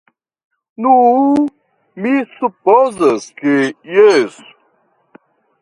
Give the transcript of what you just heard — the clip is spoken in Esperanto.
Nu, mi supozas ke jes?